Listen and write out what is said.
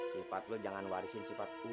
sifat lo jangan warisin sifat umi ke lo